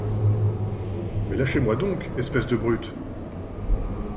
Mais lâchez-moi donc… espèces de brutes !